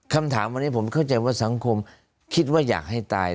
คำถามวันนี้ผมเข้าใจว่าสังคมคิดว่าอยากให้ตาย